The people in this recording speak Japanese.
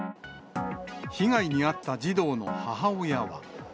被害に遭った児童の母親は。